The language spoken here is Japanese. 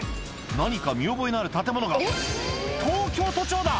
何か見覚えのある建物が東京都庁だ！